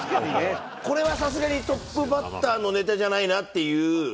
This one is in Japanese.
これはさすがにトップバッターのネタじゃないなっていう？